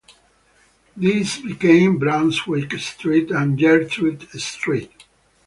These became Brunswick Street and Gertrude Street.